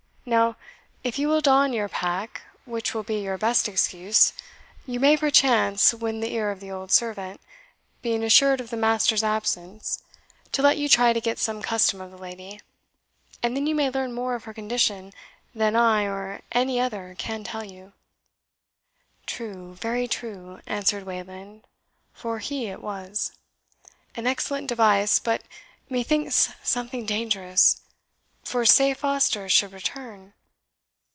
Now, if you will don your pack, which will be your best excuse, you may, perchance, win the ear of the old servant, being assured of the master's absence, to let you try to get some custom of the lady; and then you may learn more of her condition than I or any other can tell you." "True very true," answered Wayland, for he it was; "an excellent device, but methinks something dangerous for, say Foster should return?"